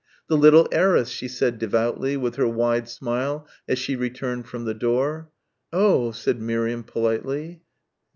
"The little heiress," she said devoutly, with her wide smile as she returned from the door. "Oh ..." said Miriam politely.